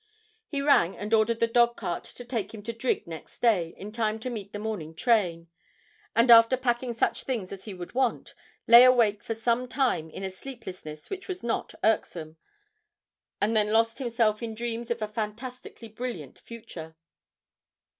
He rang and ordered the dog cart to take him to Drigg next day in time to meet the morning train, and, after packing such things as he would want, lay awake for some time in a sleeplessness which was not irksome, and then lost himself in dreams of a fantastically brilliant future.